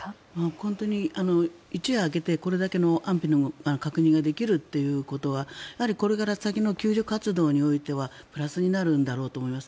本当に一夜明けてこれだけの安否の確認ができるということはこれから先の救助活動においてはプラスになるんだろうと思います。